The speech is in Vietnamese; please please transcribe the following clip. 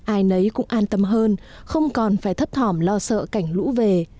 ai nấy cũng an tâm hơn không còn phải thấp thỏm lo sợ cảnh lũ về